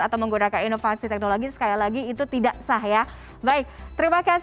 atau menggunakan inovasi teknologi sekali lagi itu tidak terlalu terlalu terlalu terlalu terlalu terlalu terlalu